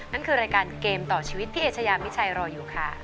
นั่นคือรายการเกมต่อชีวิตพี่เอชยามิชัยรออยู่ค่ะ